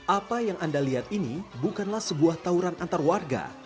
apa yang anda lihat ini bukanlah sebuah tawuran antar warga